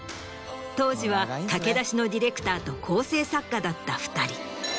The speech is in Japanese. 当時は駆け出しのディレクターと構成作家だった２人。